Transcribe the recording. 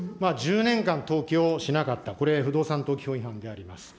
１０年間登記をしなかった、これ、不動産登記法違反であります。